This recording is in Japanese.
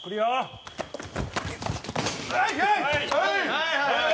はいはいはい！